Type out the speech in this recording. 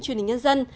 truyền hình nhân dân